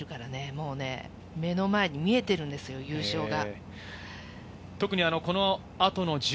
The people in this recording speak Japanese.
もう目の前に見えているんですよ、優勝が。